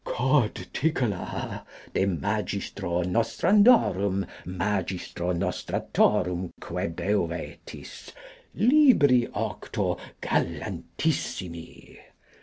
Codtickler de Magistro nostrandorum Magistro nostratorumque beuvetis, libri octo galantissimi.